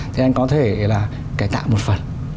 thì anh có thể là cải tạo một phần